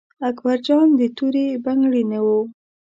اکبر جان د تورې بنګړي نه و.